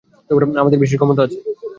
আমাদের বিশেষ ক্ষমতা আছে।